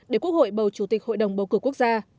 để quốc hội bầu chủ tịch hội đồng bầu cử quốc gia